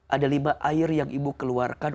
ada lima air yang ibu keluarkan